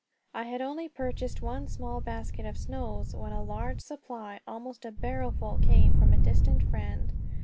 I had only purchased one small basket of "Snows" when a large supply, almost a barrelful, came from a distant friend.